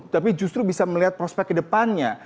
tapi justru bisa melihat prospek ke depannya